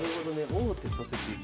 王手させていく。